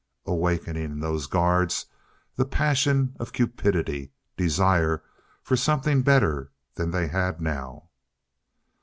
Awakening in those guards the passion of cupidity desire for something better than they had now.